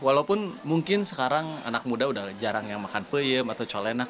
walaupun mungkin sekarang anak muda udah jarang yang makan peyem atau colenak